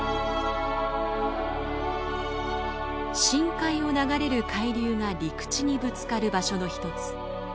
深海を流れる海流が陸地にぶつかる場所の一つ